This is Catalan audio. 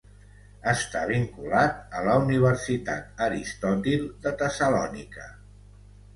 Està vinculat a la Universitat Aristòtil de Tessalònica.